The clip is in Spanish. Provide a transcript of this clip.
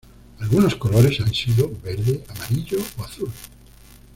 Algunos colores han sido: verde, amarillo o azul.